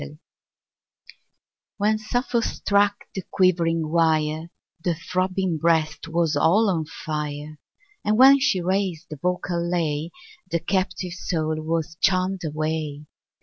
1 When Sappho struck the quivering wire, The throbbing breast was all on fire; And when she raised the vocal lay, The captive soul was charm'd away!